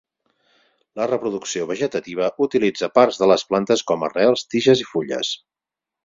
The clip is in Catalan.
La reproducció vegetativa utilitza parts de les plantes com arrels, tiges i fulles.